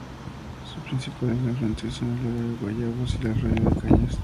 Sus principales afluentes son el arroyo Guayabos y el arroyo de las Cañas.